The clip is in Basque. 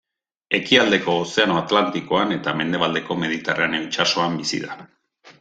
Ekialdeko Ozeano Atlantikoan eta mendebaldeko Mediterraneo itsasoan bizi da.